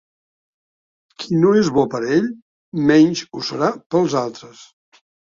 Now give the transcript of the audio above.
Qui no és bo per ell, menys ho serà pels altres.